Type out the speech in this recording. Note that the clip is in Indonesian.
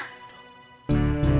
tadi di pasar